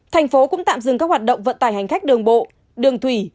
thành phố cũng tạm dừng các hoạt động vận tải hành khách đường bộ đường thủy